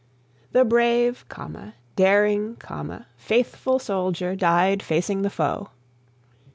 "The brave, daring, faithful soldier died facing the foe."